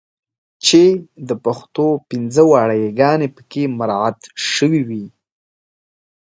چې د پښتو پنځه واړه یګانې پکې مراعات شوې وي.